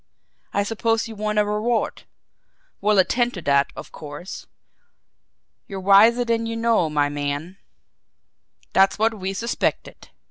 I suppose you want a reward we'll attend to that, of course. You're wiser than you know, my man. That's what we suspected.